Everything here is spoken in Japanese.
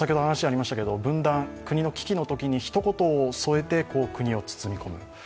分断、国の危機のときに一言添えて、国を包み込む。